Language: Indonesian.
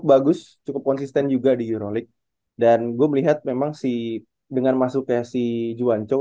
bagus cukup konsisten juga di euroleague dan gue melihat memang sih dengan masuknya si juwancow